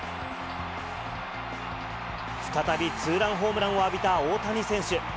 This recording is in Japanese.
再びツーランホームランを浴びた大谷選手。